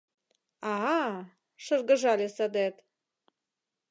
— А-а, — шыргыжале садет.